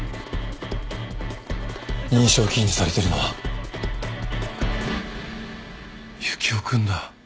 認証キーにされてるのはユキオ君だ。